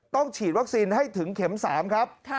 ฉีดวัคซีนให้ถึงเข็ม๓ครับ